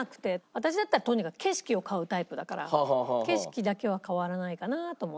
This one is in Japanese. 私だったらとにかく景色を買うタイプだから景色だけは変わらないかなと思って景色。